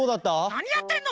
なにやってんの！